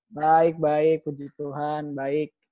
baik baik puji tuhan baik